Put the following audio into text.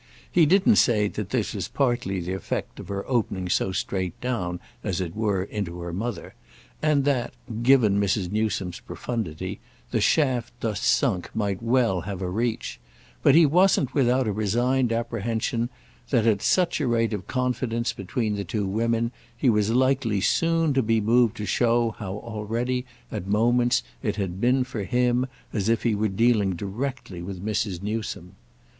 He didn't say that this was partly the effect of her opening so straight down, as it were, into her mother, and that, given Mrs. Newsome's profundity, the shaft thus sunk might well have a reach; but he wasn't without a resigned apprehension that, at such a rate of confidence between the two women, he was likely soon to be moved to show how already, at moments, it had been for him as if he were dealing directly with Mrs. Newsome.